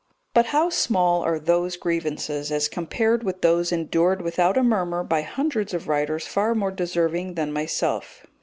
But how small are these grievances as compared with those endured without a murmur by hundreds of writers far more deserving than myself.